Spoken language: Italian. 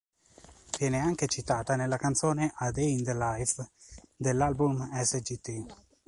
Viene anche citata nella canzone "A Day in the Life" dell'album "Sgt.